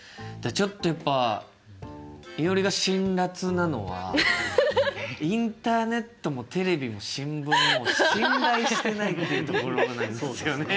ちょっとやっぱいおりが辛辣なのはインターネットもテレビも新聞も信頼してないっていうところなんですよね。